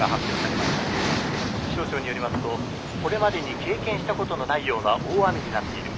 気象庁によりますとこれまでに経験したことのないような大雨になっている。